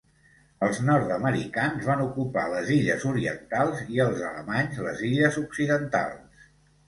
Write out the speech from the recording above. Els nord-americans van ocupar les illes orientals, i els alemanys les illes occidentals.